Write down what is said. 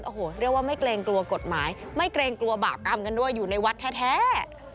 โอ้โหเรียกว่าไม่เกรงกลัวกฎหมายไม่เกรงกลัวบาปกรรมกันด้วยอยู่ในวัดแท้